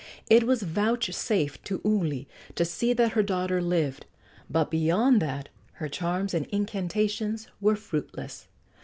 It was vouchsafed to Uli to see that her daughter lived, but beyond that her charms and incantations were fruitless.